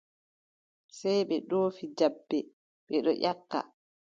Sey ɓe ɗoofi jabbe, ɓe ɗon nyakka.